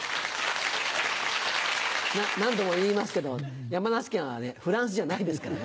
何度も言いますけど山梨県はフランスじゃないですからね。